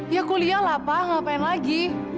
ya kuliah lah pak ngapain lagi